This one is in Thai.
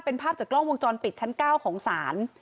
เป็นภาพจากกล้องวงจรปิดชั้น๙ของศาล